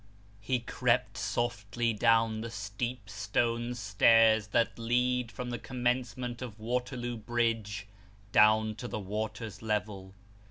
He crept softly down the steep stone stairs that lead from the com mencement of Waterloo Bridge, down to the water's level.